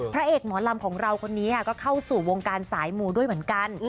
พระเอกหมอลำของเราคนนี้ก็เข้าสู่วงการสายมูด้วยเหมือนกัน